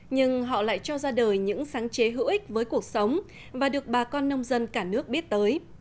nhưng họ lại cho ra đời những sáng chế hữu ích với cuộc sống và được bà con nông dân cả nước biết tới